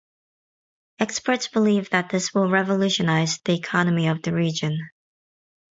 Experts believe that this will revolutionize the economy of the region.